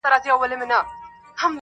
• لمبه دي نه کړم سپیلنی دي نه کړم ,